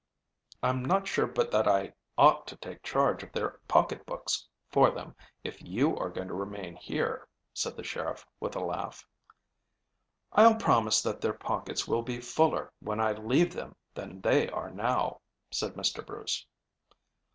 "I'm not sure but that I ought to take charge of their pocketbooks for them if you are going to remain here," said the sheriff, with a laugh. "I'll promise that their pockets will be fuller when I leave them than they are now," said Mr. Bruce.